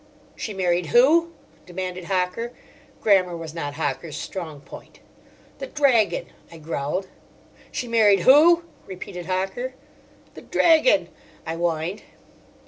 "She married who?" demanded Hocker: grammar was not Hocker's strong point. "The Dragon," I growled. "She married who?" repeated Hocker. "The Dragon," I whined.